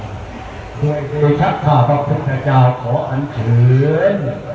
ด้วยเทชักข้าพระพุทธเจ้าขออันเฉิน